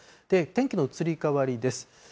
天気の移り変わりです。